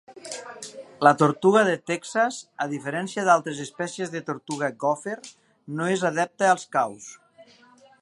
La tortuga de Texas, a diferència d'altres espècies de tortuga gòfer, no és adepta als caus.